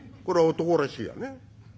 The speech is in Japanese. これ男らしいやね。